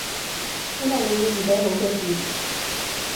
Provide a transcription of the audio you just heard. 希望你會遇到好嘅事